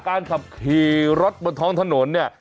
การขับขี่รถบนท้องถนนเนี่ย